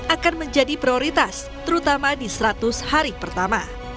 akan menjadi prioritas terutama di seratus hari pertama